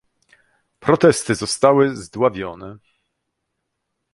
Protesty zostały zdławione